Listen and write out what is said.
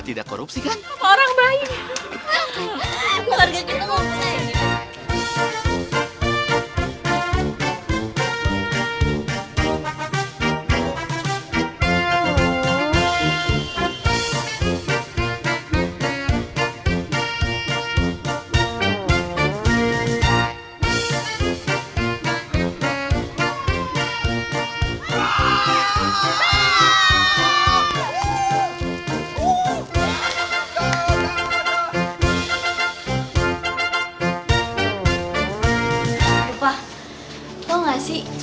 tau gak sih